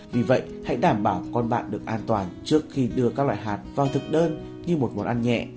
vì vậy hãy đảm bảo con bạn được an toàn trước khi đưa các loại hạt vào thực đơn như một món ăn nhẹ